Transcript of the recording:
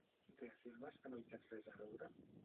Reafirmes que no hi tens res a veure?